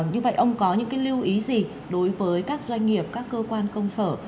như vậy ông có những lưu ý gì đối với các doanh nghiệp các cơ quan công sở